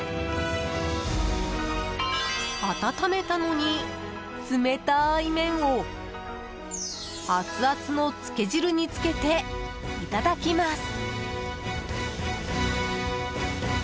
温めたのに冷たい麺をアツアツのつけ汁につけていただきます！